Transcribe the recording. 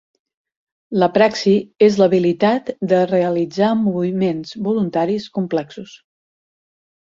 La praxi és l'habilitat de realitzar moviments voluntaris complexos.